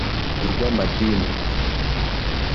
urw’amadini